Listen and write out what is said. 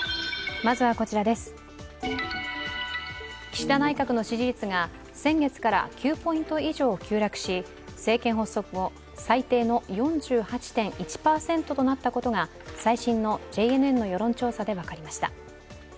岸田内閣の支持率が先月から９ポイント以上急落し政権発足後、最低の４８．１％となったことが最新のＪＮＮの世論調査で分かりました。